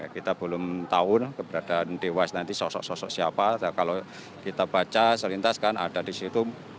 kita belum tahu keberadaan dewas nanti sosok sosok siapa kalau kita baca selintas kan ada di situ